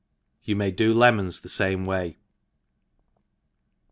You may do lemons thp fan^e way.